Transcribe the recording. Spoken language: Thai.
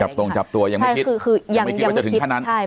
จุงจับตรงจับตัวยังไม่คิดยังไม่คิดว่าจะถึงข้านั้น